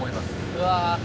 うわ。